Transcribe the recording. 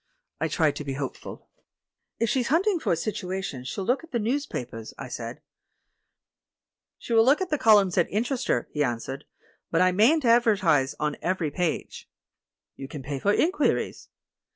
I tried to be hopeful. THE WOMAN WHO WISHED TO DIE 49 "If she's hunting for a situation she'll look at the newspapers," I said. "She will look at the columns that interest her," he answered, "but I mayn't advertise on every page." "You can pay for inquiries."